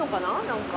何か。